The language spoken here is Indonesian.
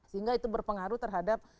sehingga itu berpengaruh terhadap